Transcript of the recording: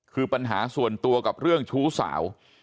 คือปัญหาส่วนตัวกับเรื่องชู้สาว